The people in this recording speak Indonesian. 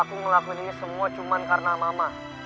aku ngelakuin ini semua cuma karena mama